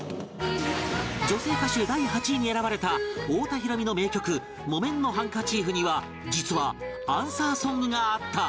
女性歌手第８位に選ばれた太田裕美の名曲『木綿のハンカチーフ』には実はアンサーソングがあった